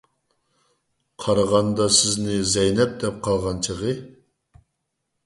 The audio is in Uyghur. قارىغاندا سىزنى زەينەپ دەپ قالغان چېغى.